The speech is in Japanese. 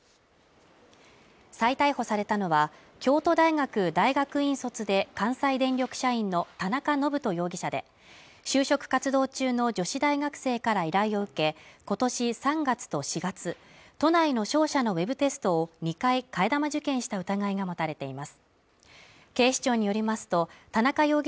再逮捕されたのは京都大学大学院卒で関西電力社員の田中信人容疑者で就職活動中の女子大学生から依頼を受けことし３月と４月都内の商社のウェブテストを２回替え玉受検した疑いが持たれています